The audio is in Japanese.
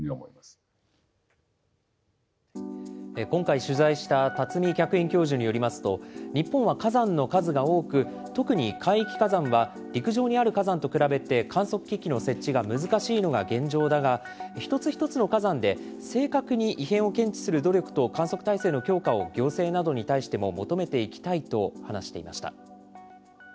今回取材した巽客員教授によりますと、日本は火山の数が多く、特に海域火山は陸上にある火山と比べて、観測機器の設置が難しいのが現状だが、一つ一つの火山で正確に異変を検知する努力と観測体制の強化を、行政などに対しても求めていきたいと話していました。